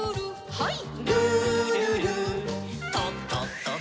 はい。